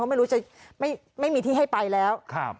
ไม่รู้จะไม่มีที่ให้ไปแล้ว